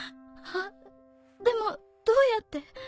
あっでもどうやって？